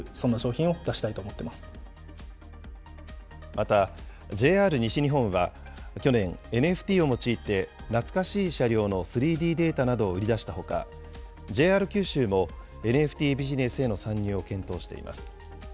また、ＪＲ西日本は去年、ＮＦＴを用いて懐かしい車両の３Ｄデータなどを売り出したほか、ＪＲ九州もＮＦＴビジネスへの参入を検討しています。